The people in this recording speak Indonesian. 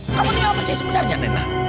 kamu lihat apa sih sebenarnya nenak